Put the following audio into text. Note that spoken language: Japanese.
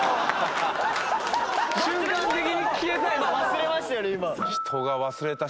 瞬間的に消えた。